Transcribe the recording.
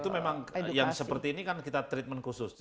itu memang yang seperti ini kan kita treatment khusus